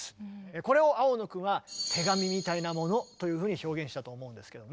これを青野君は「手紙みたいなもの」というふうに表現したと思うんですけどね。